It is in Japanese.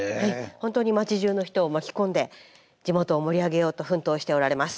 本当に町じゅうの人を巻き込んで地元を盛り上げようと奮闘しておられます。